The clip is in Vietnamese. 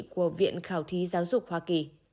của viện khảo thí giáo dục hoa kỳ